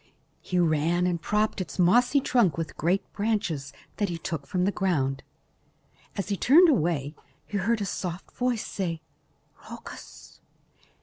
He ran and propped its mossy trunk with great branches that he took from the ground. As he was turning away, he heard a soft voice say, "Rhoecus."